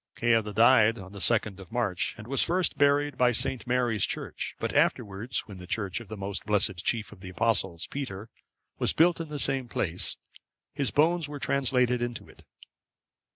Ceadda died on the 2nd of March,(554) and was first buried by St. Mary's Church, but afterwards, when the church of the most blessed chief of the Apostles, Peter, was built in the same place, his bones were translated into it.